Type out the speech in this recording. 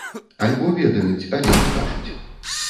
Альбо ведаюць, але не кажуць.